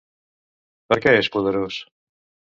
Per què és poderós?